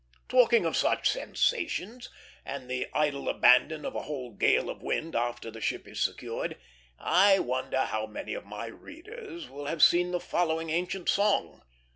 Talking of such sensations, and the idle abandon of a whole gale of wind after the ship is secured, I wonder how many of my readers will have seen the following ancient song.